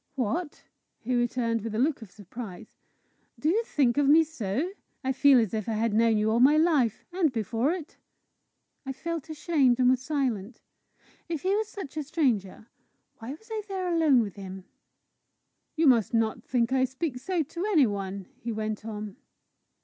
"What!" he returned, with a look of surprise; "do you think of me so? I feel as if I had known you all my life and before it!" I felt ashamed, and was silent. If he was such a stranger, why was I there alone with him? "You must not think I speak so to any one," he went on.